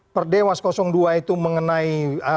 per dewas dua itu mengenai